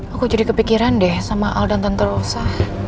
aku jadi kepikiran deh sama al dan tante rosa